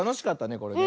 これね。